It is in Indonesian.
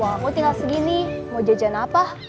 uangmu tinggal segini mau jajan apa